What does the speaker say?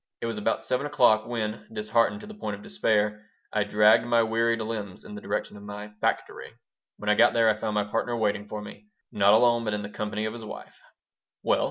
It was about 7 o'clock when, disheartened to the point of despair, I dragged my wearied limbs in the direction of my "factory." When I got there I found my partner waiting for me not alone, but in the company of his wife "Well?"